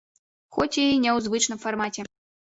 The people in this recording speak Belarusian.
Хоць і ў нязвычным фармаце.